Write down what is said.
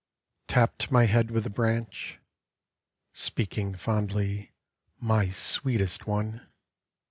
Tapped my head with the branch, Speaking fondly, * My sweetest one